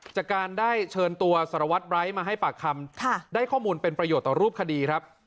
จากการได้เชิญตัวสารวัตรไร้มาให้ปากคำได้ข้อมูลเป็นประโยชน์ต่อรูปคดีครับ